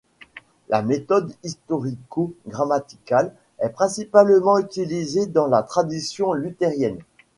La méthode historico-grammaticale est principalement utilisée dans la tradition luthérienne.